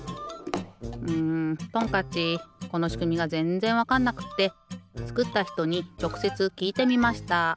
んトンカッチこのしくみがぜんぜんわかんなくってつくったひとにちょくせつきいてみました。